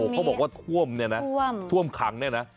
โอ้โหเค้าบอกว่าถ้วมเนี่ยน้ะถ้วมขังเนี่ยนะ